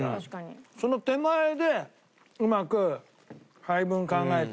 その手前でうまく配分考えて。